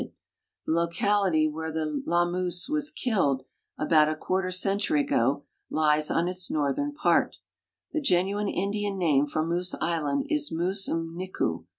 The locality wheie the las moose was killed, about a century ago, lies on itf^ northern part. The genuine In<lian name for Moose island is Mus m'niku.